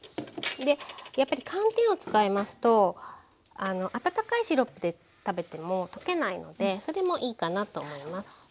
やっぱり寒天を使いますと温かいシロップで食べても溶けないのでそれもいいかなと思います。